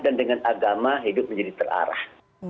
dan dengan agama hidup menjadi terarah